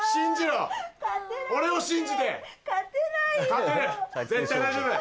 勝てる絶対大丈夫。